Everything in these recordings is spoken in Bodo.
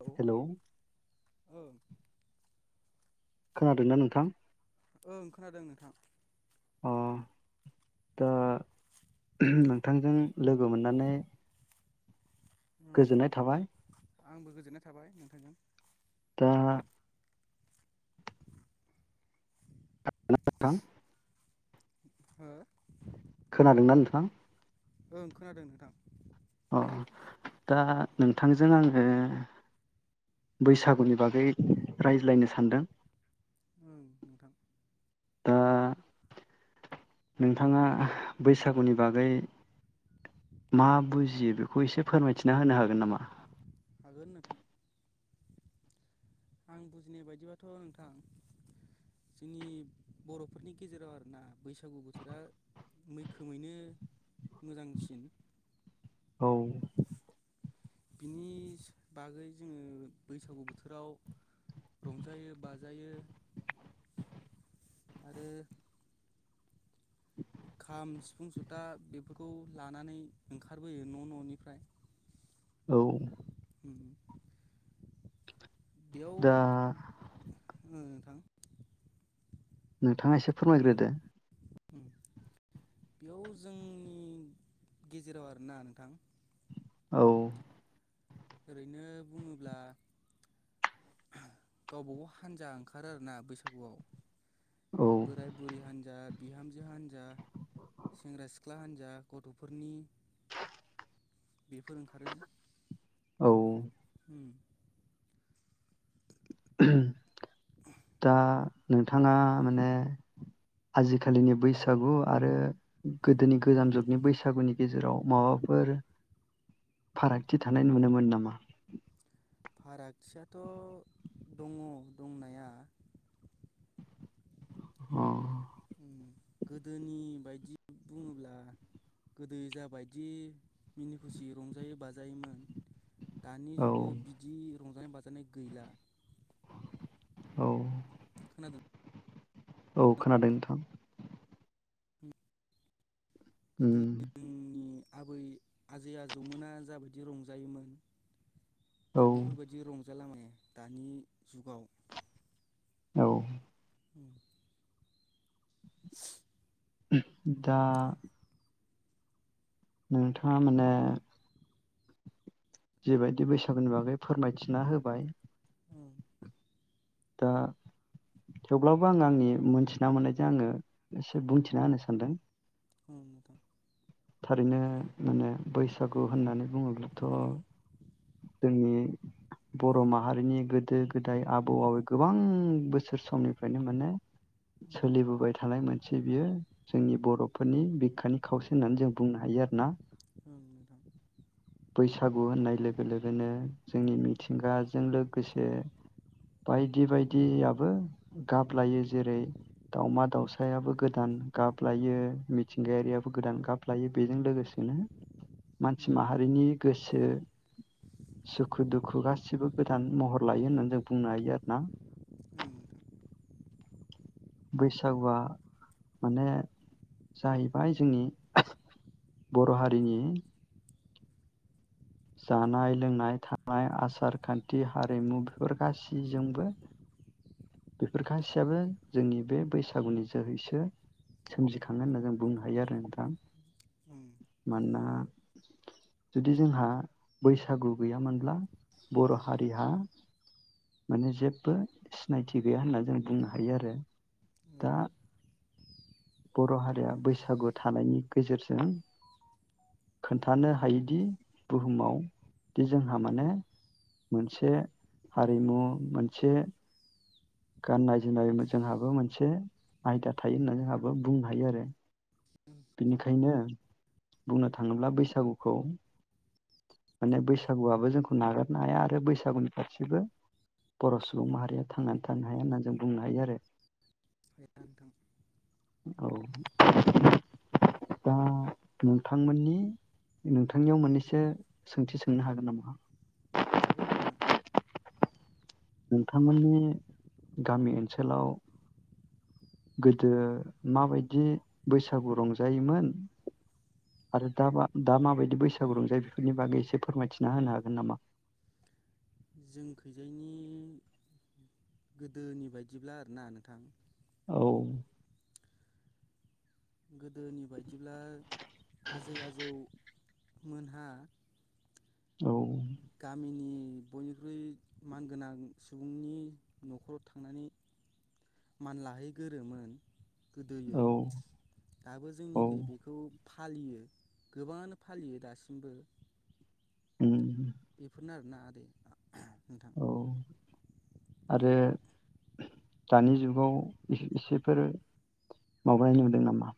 औ हेल'। ओं खोनादोंना नोंथां? ओ खोनादों नोंथां। अ दा नोंथांजों लोगो मोननानै उम गोजोननाय थाबाय आंबो गोजोननाय थाबाय नोंथांजों। दा [unintelligible] हो? खोनादोंना नोंथां? ओं खोनादों नोंथां। अ दा नोंथांजों आङो बैसागुनि बागै रायज्लायनो सानदों। ओं नोंथां। दा नोंथाङा बैसागुनि बागै मा बुजियो बेखौ एसे फोरमायथिना होनो हागोन नामा? हागोन नोंथां। आं बुजिनाय बायदिबाथ' नोंथां जोंनि बर'फोरनि गेजेराव आरोना बैसागु बोथोरा मैखोमैनो मोजांसिन। औ। बिनि बागै जोङो बैसागु बोथोराव रंजायो बाजायो। आरो खाम सिफुं जथा बेफोरखौ लानानै ओंखारबोयो न' न'निफ्राय औ उम दा बेयाव नोंथाङा एसे फोरायग्रोदो। बेयाव जोंनि गेजेराव आरोना नोंथां। औ ओरैनो बुङोब्ला गावबागाव हान्जा ओंखारो आरोना बैसागुआव। औ बोराय बुरि हान्जा बिहामजो हान्जा सेंग्रा सिख्ला हान्जा गथ'फोरनि बेफोर ओंखारो औ उम दा नोंथाङा माने आजिखालिनि बैसागु आरो गोदोनि गोजाम जुगनि बैसागुनि गेजेराव माबाफोर फारागथि थानाय नुनो मोनो नामा? फारागथियाथ' दङ दंनाया। [unintelligible] उम गोदोनि बायदि बुङोब्ला गोदो जा बायदि मिनि खुसि रंजायो बाजायोमोन दानि औ जुगाव बिदि रंजानाय बाजानाय गैला। औ। खोनादों? औ खोनादों नोंथां। [unintelligible] उम गोदोनि आबै आजै आजौमोना जाबायदि रंजायोमोन। दा औ बेफोरबायदि रं- जाला माने दानि जुगाव। औ। उम। दा नोंथाङा माने जिबायदि बैसागुनि बागै फोरमायथिना होबाय। औ दा थेवब्लाबो आङो आंनि मोनथिना मोननायजों आङो एसे बुंथिना होनो सानदों। अ नोंथां। थारैनो माने बैसागु होननानै बुङोब्लाथ' जोंनि बर' माहारिनि गोदो गोदाय आबौ आबै गोबां बोसोर समनिफ्रायनो माने उम सोलिबोबाय थानाय मोन से बियो जोंनि बर'फोरनि बिखानि खावसे होननानै जों बुंनो हायो आरोना। औ मेदाम। बैसागु होननाय लोगो लोगोनो जोंनि मिथिंगाजों लोगोसे बायदि बायदियाबो गाब लायो जेरै दावमा दावसायाबो गोदान गाब लायो मिथिंगायारियाबो गोदान गाब लायो बेजों लोगोसेनो मानसि उम माहारिनि गोसो सुखु दुखु गासिबो गोदान महर लायो होननानै जों बुंनो हायो आरोना। उम नोंथां बैसागुआ माने जाहैबाय जोंनि बर' हारिनि जानाय लोंनाय थानाय आसार खान्थि हारिमु बेफोर गासैजोंबो बेफोर गासैयाबो जोंनि बे बैसागुनि जोहैसो सोमजिखाङो होनना जों बुंनो हायो आरो नोंथां उम मानोना जुदि जोंहा बैसागु गैयामोनब्ला बर' हारिहा माने जेबबो सिनायथि गैया होनना जों बुंनो हायो आरो। दा बर' हारिया बैसागु थानायनि गेजेरजों खोन्थानो हायोदि बुहुमाव दि जोंहा माने मोनसे हारिमु मोनसे गाननाय जोमनाय जोंहाबो मोनसे आयदा थायो होनना जोंहाबो बुंनो हायो आरो। बिनिखायनो बुंनो थाङोब्ला बैसागुखौ माने बैसागुआबो जोंखौ नागारनो हाया आरो बैसागुनि फारसेबो बर' सुबुं माहारिया थांनानै थानो हाया होननान जों बुंनो हायो आरो। [unintelligible] दं। औ [inaudible] दा नोंथांमोननि नोंथांनियाव मोननैसो सोंथि सोंनो हागोन नामा? हागोन नोंथां। नोंथांमोननि गामि ओनसोलाव गोदो माबायदि बैसागु रंजायोमोन आरो दा बा दा माबायदि बैसागु रंजायो बेफोरनि बागै एसे फोरमायथिना होनो हागोन नामा? जों खैजायनि गोदोनि बायदिब्ला आरोना नोंथां। औ। गो गोदोनि बायदिब्ला आजै आजौ मोनहा औ गामिनि बयनिख्रुइ मानगोनां सुबुंनि न'खराव थांनानै मान लाहैगोरोमोन गोदोयो औ दाबो औ जोंनिखै बेखौ फालियो गोबाङानो फालियो दासिमबो उ बेफोरनो आरोना आरो ना आदै। नोंथां औ आरो दानि जुगाव इसेफोर माबानाय नुदों नामा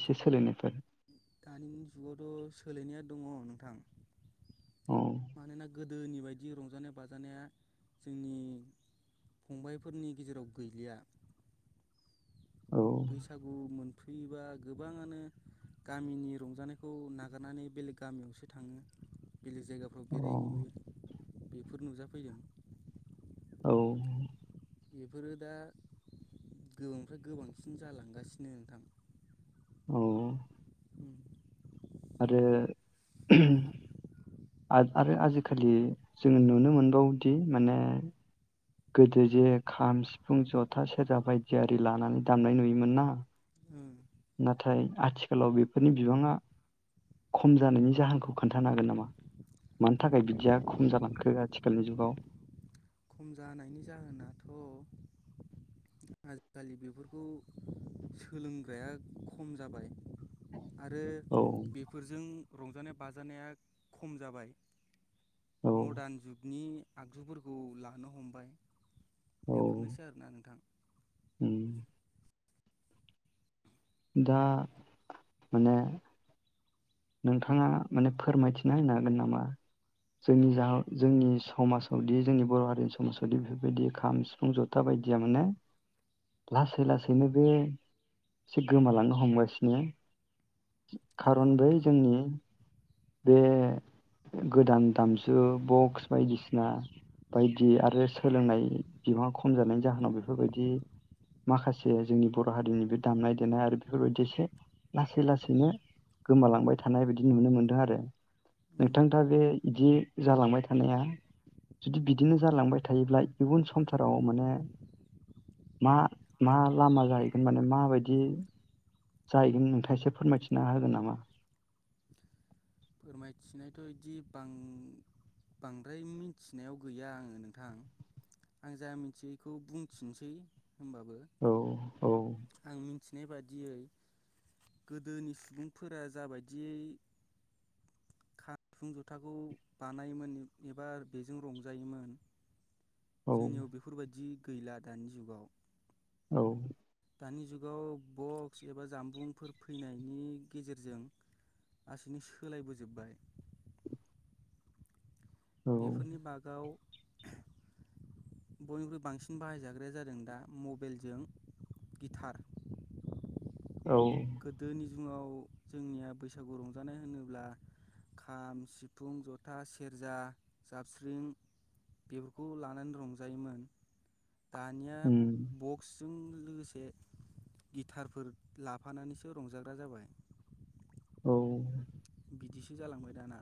एसे सोलायनायफोर? दानि जुगावथ' सोलायनाया दङ नोंथां औ मानोना गोदोनि बायदि रंजानाय बाजानाया जोंनि फंबायाइफोरनि गेजेराव गैलिया। औ बैसागु मोन फैयोबा गोबाङानो गामिनि रंजानायखौ नागारनानै बेलेग गामियावसो थाङो। बेलेग जायगाफ्राव औ बेरायहैयो। बेफोर नुजाफैदों औ बेफोरो दा गोबांनिफ्राय गोबांसिन जालांगासिनो नोंथां औ उम आरो आरो आजिखालि जोङो नुनो मोनबावोदि माने गोदो जे खाम सिफुं जथा सेरजा बायदि आरि लानानै दामनाय नुयोमोन ना उम नाथाय आथिखालाव बेफोरनि बिबाङा खम जानायनि जाहोनखौ खोन्थानो हागोन नामा मानि थाखाय बिदिया खम जालांखो आथिखालनि जुगाव खम जानायनि जाहोनाथ' आजिखालि बेफोरखौ सोलोंग्राया खम जाबाय आरो औ बेफोरजों रंजानाय बाजानाया खम जाबाय औ मडार्न जुगनि आगजुफोरखौ ला थानो हमबाय औ बेफोरनोसै आरोना नोंथां उम दा माने नोंथाङा माने फोरमायथिना होनो हागोन नामा जोंनि जा जोंनि समाजावदि जोंनि बर' हारिनि समाजावदि बेफोरबायदि खाम, सिफुं, जथा बायदिया माने लासै लासैनो बे एसे गोमालांनो हमगासिनो हागोन खारन बेै नोंथां जोंनि बे गोदान दामजु बक्स बायदिसिना बायदि आरो सोलोंनाय बिबाङा खम जानायनि जाहोनाव बेफोरबायदि माखासे जोंनि बर' हारिनि बे दामनाय देनाय आरो बेफोरबायदि एसे लासै लासैनो गोमालांबाय थायो। थानाय बायदि नुनो मोनदों आरो उम नोंथां दा बे बिदि जालांबाय थानाया जुदि बिदिनो जालांबाय थायोब्ला इयुन संसाराव माने मा मा लामा जाहैगोन माने माबायदि जाहैगोन नोंथाङ एसे फोरमायथिना होगोन नामा? फोरमायथिनायथ' बिदि बांद्राय मिथिनायाव गैया आङो नोंथां आं जा मिथियो बेखौ बुंथिनोसै होमबाबो औ औ आं मि मिथिनाय बादियै गोदोनि सुबुंफोरा जाबायदियै [unintelligible] जुथाखौ बानायोमोन एबा बेजों रंजायोमोन औ जोंनियाव बेफोरबायदि गैला दानि जुगाव औ दानि जुगाव बक्स एबा जामबुंफोर फैनायनि गेजेरजों लासैनो सोलायबोजोब्बाय बेफोरनि बागाव बयनिख्रुइ बांसिन बाहायजाग्राया जादों दा मबाइलजों गिटार औ फुंङाव जोंनिया बैसागु रंजानाय होनोब्ला खाम सिफुं जथा सेरजा जाबस्रिं बेफोरखौ लानानै रंजायोमोन दानिया उम बक्स जों लोगोसे गिटारफोर ला फानानैसो रंजाग्रा जाबाय औ बिदिसो जालांबाय दाना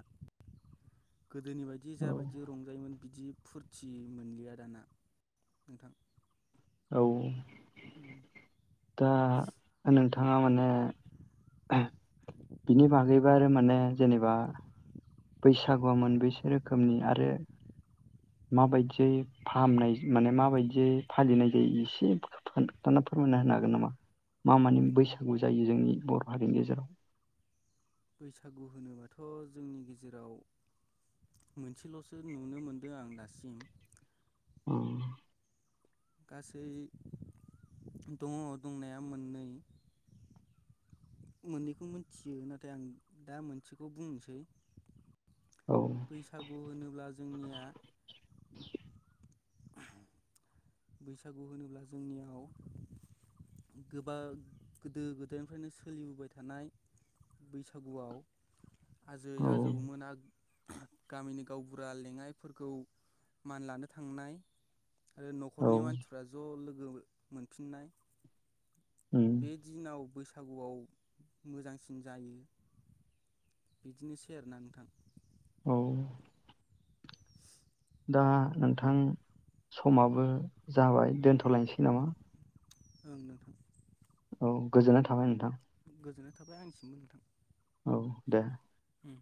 गोदोनि बायदि औ जाबायदि रंजायोमोन बिदि फुरथि मोनलिया दाना नोंथां औ दा नों थांङा माने बिनि बागैबो आरो माने जेनेबा बैसागुआ मोन बैसो रोखोमनि आरो माबायदियै फाहामनाय माने माबायदियै फालिनाय जायो एसे खोनथा फोरमायना होनो हागोन नामा मा मानि बैसागु जायो जोंनि बर हारिनि गेजेराव बैसागु होनोबाथ जोंनि गेजेराव मोनसेलसो नुनो मोनदों आं दासिम औ गासै दंङ दंनाया मोननै मोननैखौ मोनथियो नाथाय आं दा मोनसेखौ बुंनोसै औ बैसागु होनोब्ला जोंनिया बैसागु होनोब्ला जोंनियाव गोबा गोदो गोदायनिफ्रायनो सोलिबोबाय थानाय बैसागुआव आजै औ आजौमोना गामिनि गावबुरा लेङाइफोरखौ मान लानो थांनाय आरो औ नखरनि मानसिफ्रा ज लोगो गो मोनफिननाय उम बे दिनाव बैसाग सागुआव मोजांसिन जायो। बिदिनोसै आरो ना नोंथां। औ दा नोंथां समाबो जाबाय दोनथलायसै नामा? ओं नोंथां। औ गोजोननाय थाबाय नोंथां। गोजोननाय थाबाय आंनिसिमबो नोंथां। औ दे। हुम।